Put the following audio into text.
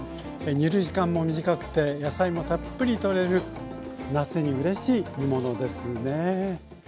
煮る時間も短くて野菜もたっぷりとれる夏にうれしい煮物ですね。